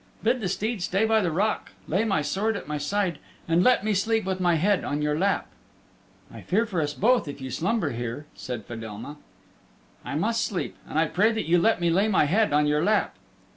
"Bid the steed stay by the rock, lay my sword at my side, and let me sleep with my head on your lap." "I fear for us both if you slumber here," said Fedelma. "I must sleep, and I pray that you let me lay my head on your lap."